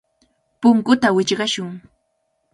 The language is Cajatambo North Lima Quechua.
Punkuta wichqashun.